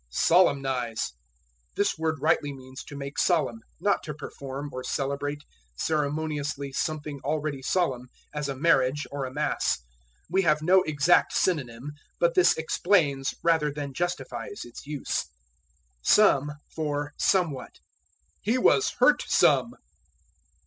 Solemnize. This word rightly means to make solemn, not to perform, or celebrate, ceremoniously something already solemn, as a marriage, or a mass. We have no exact synonym, but this explains, rather than justifies, its use. Some for Somewhat. "He was hurt some."